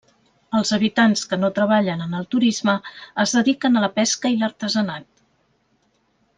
Els habitants que no treballen en el turisme es dediquen a la pesca i l'artesanat.